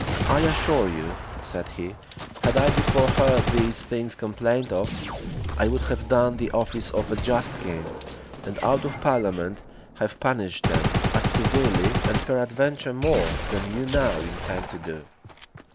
"I assure you," said he, "had I before heard these things complained of, I would have done the office of a just king, and out of parliament have punished them, as severely, and peradventure more, than you now intend to do."